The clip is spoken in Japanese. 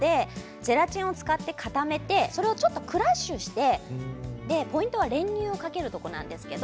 ゼラチンを使って固めてちょっとクラッシュしてポイントは練乳をかけるところです。